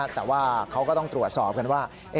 แต่ว่าเขาก็ต้องตรวจสอบกันว่า